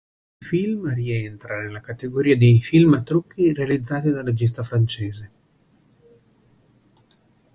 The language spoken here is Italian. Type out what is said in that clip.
Il film rientra nella categoria dei film a trucchi realizzati dal regista francese.